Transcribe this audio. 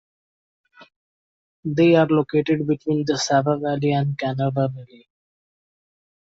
They are located between the Sava Valley and Canale Valley.